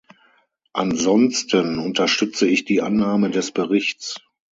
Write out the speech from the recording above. Ansonsten unterstütze ich die Annahme des Berichts.